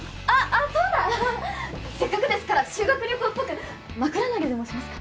そうだせっかくですから修学旅行っぽく枕投げでもしますか？